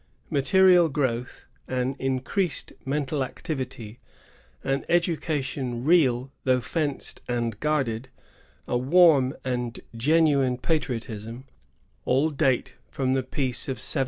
Material growth; an increased mental activity; an education, real though fenced and guarded ; a warm and genuine patriotism, — all date from the peace of 1768.